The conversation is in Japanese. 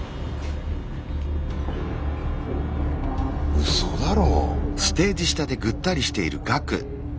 うそだろ。